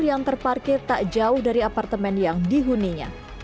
yang terparkir tak jauh dari apartemen yang dihuninya